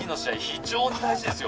非常に大事ですよ